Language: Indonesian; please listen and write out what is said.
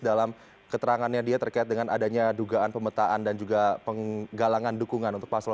dalam keterangannya dia terkait dengan adanya dugaan pemetaan dan juga penggalangan dukungan untuk paslon